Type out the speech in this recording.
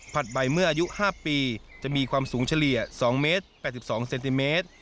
ใบเมื่ออายุ๕ปีจะมีความสูงเฉลี่ย๒เมตร๘๒เซนติเมตร